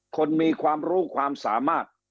คนมีความรู้ความสามารถ